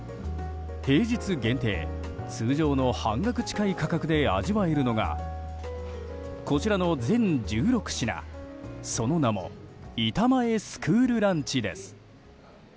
平日限定、通常の半額近い価格で味わえるのがこちらの全１６品、その名も板前スクールランチです。